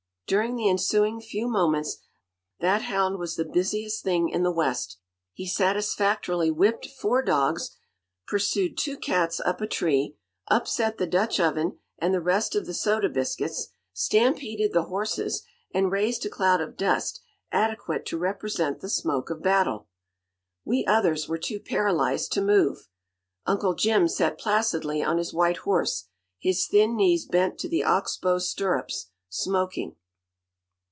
During the ensuing few moments that hound was the busiest thing in the West. He satisfactorily whipped four dogs, pursued two cats up a tree, upset the Dutch oven and the rest of the soda biscuits, stampeded the horses, and raised a cloud of dust adequate to represent the smoke of battle. We others were too paralyzed to move. Uncle Jim sat placidly on his white horse, his thin knees bent to the ox bow stirrups, smoking.